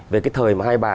về cái thời mà hai bà